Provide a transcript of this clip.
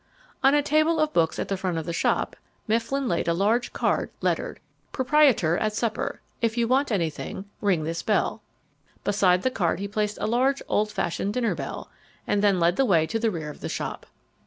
On a table of books at the front of the shop Mifflin laid a large card lettered: PROPRIETOR AT SUPPER IF YOU WANT ANYTHING RING THIS BELL Beside the card he placed a large old fashioned dinner bell, and then led the way to the rear of the shop.